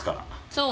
そう。